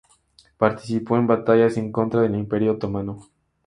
Participó en batallas en contra del Imperio Otomano.